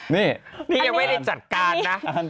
นี่นี่ยังไม่ได้จัดการนะ